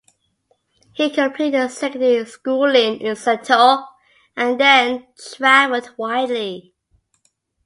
He completed secondary schooling in Zittau and then travelled widely.